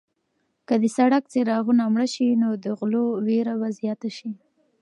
که د سړک څراغونه مړه شي نو د غلو وېره به زیاته شي.